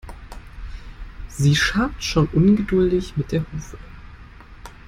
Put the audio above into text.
Sie scharrt schon ungeduldig mit der Hufe.